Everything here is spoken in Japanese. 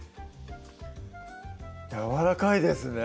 やわらかいですね